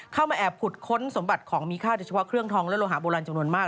เข้ามาแอบขุดค้นสมบัติของมีค่าโดยเฉพาะเครื่องทองและโลหาโบราณจำนวนมาก